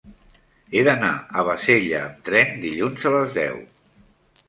He d'anar a Bassella amb tren dilluns a les deu.